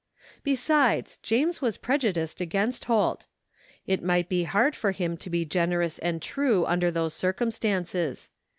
Besides, James was prejudiced against Holt It might be hard for him to be generous and true under those circiunstances.